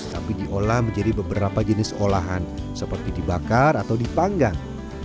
tapi diolah menjadi beberapa jenis olahan seperti dibakar atau dipanggang